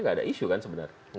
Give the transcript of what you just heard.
gak ada isu kan sebenarnya